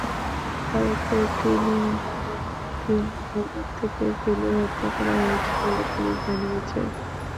তাঁকে একটি নির্মাণাধীন ভবন থেকে ফেলে হত্যা করা হয়েছে বলে পুলিশ জানিয়েছে।